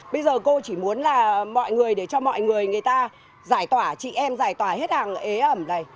bây giờ cô chỉ muốn là mọi người để cho mọi người người ta giải tỏa chị em giải tỏa hết hàng ế ẩm này